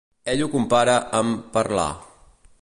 Ell ho compara amb "parlar".